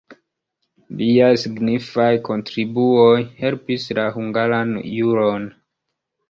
Liaj signifaj kontribuoj helpis la hungaran juron.